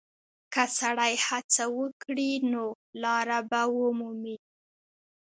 که سړی هڅه وکړي، نو لاره به ومومي.